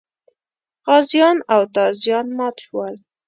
غازیان او تازیان مات شول.